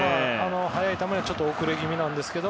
速い球には遅れ気味なんですけど